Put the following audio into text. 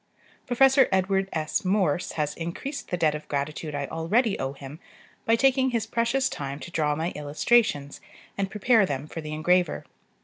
Prof. Edward S. Morse has increased the debt of gratitude I already owe him, by taking his precious time to draw my illustrations, and prepare them for the engraver.